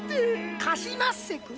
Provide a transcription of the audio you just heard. カシマッセくん？